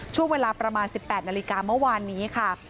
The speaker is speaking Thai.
ช่วงเวลาประมาณ๑๘นาฬิกาเมื่อวานนี้ค่ะ